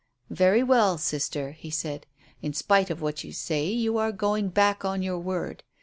"Very well, sister," he said. "In spite of what you say, you are going back on your word.